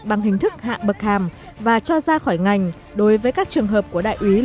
bằng hình thức hạ bậc hàm và cho ra khỏi ngành đối với các trường hợp của đại úy lê thị hiến